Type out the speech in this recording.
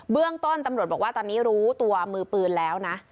เรื่องต้นตำรวจบอกว่าตอนนี้รู้ตัวมือปืนแล้วนะ